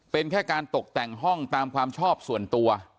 เป็นแค่การตกแต่งห้องตามความชอบส่วนตัว